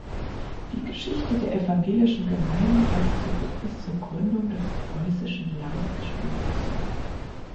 Die Geschichte der evangelischen Gemeinde reicht zurück bis zur Gründung des Preußischen Landgestüts.